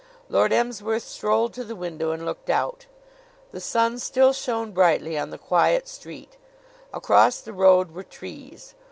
Lord Emsworth strolled to the window and looked out. The sun still shone brightly on the quiet street. Across the road were trees.